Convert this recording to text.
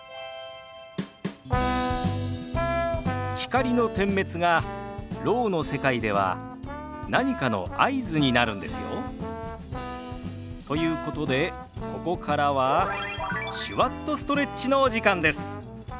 光の点滅がろうの世界では何かの合図になるんですよ。ということでここからは「手話っとストレッチ」のお時間です。